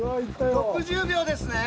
６０秒ですね？